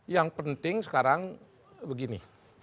yang penting sekarang begini